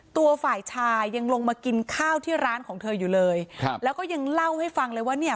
ตัวฝ่ายชายยังลงมากินข้าวที่ร้านของเธออยู่เลยครับแล้วก็ยังเล่าให้ฟังเลยว่าเนี่ย